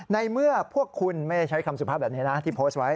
ในเมื่อพวกคุณไม่ได้ใช้คำสุภาพแบบนี้นะที่โพสต์ไว้